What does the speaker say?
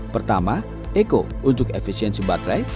pertama eko untuk efisiensi baterai